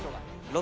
６。